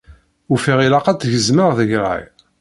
Ufiɣ ilaq ad tt-gezmeɣ deg rray.